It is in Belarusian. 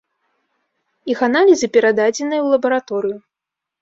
Іх аналізы перададзеныя ў лабараторыю.